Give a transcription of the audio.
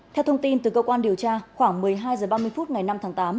theo thông tin từ cơ quan điều tra khoảng một mươi hai h ba mươi phút ngày năm tháng tám